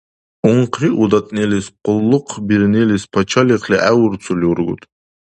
Унхъри удатнилис, къуллукъбирнилис пачалихъли гӀевурцули ургуд?